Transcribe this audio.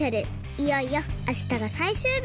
いよいよあしたがさいしゅうび！